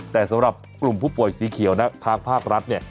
แต่สำหรับกลุ่มผู้ป่วยสีเขียวนะทางภาครัฐเนี่ย